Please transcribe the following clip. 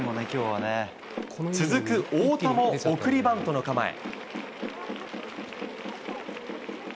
続く太田も送りバントの構え。